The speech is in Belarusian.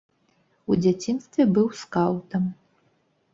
У дзяцінстве быў скаўтам.